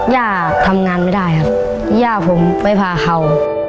ย่าทำงานไม่ได้ครับย่าผมไปพาเขา